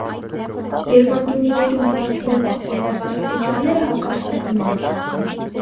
Երուանդունիներու մասին պահպանուած տեղեկութիւնները հակասական են։